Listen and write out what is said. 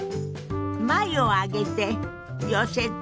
眉を上げて寄せて。